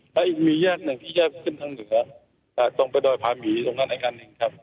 แล้วอีกมีแยกหนึ่งที่แยกขึ้นทางเหนือจากตรงไปดอยพาหมีตรงนั้นอีกอันหนึ่งครับ